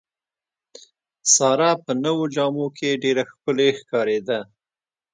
ساره په نوو جامو کې ډېره ښکلې ښکارېده.